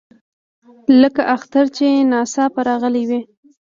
لکه اختر چې ناڅاپه راغلی وي.